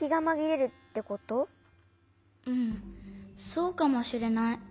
そうかもしれない。